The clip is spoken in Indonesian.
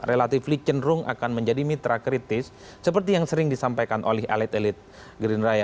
relatifly cenderung akan menjadi mitra kritis seperti yang sering disampaikan oleh elit elit gerindra